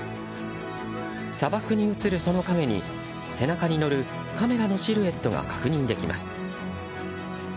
砂漠に移るその影に、背中に載るカメラのシルエットが確認できます。